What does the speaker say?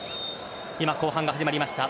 今、後半が始まりました。